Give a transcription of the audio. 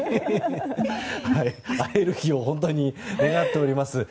会える日を本当に願っております。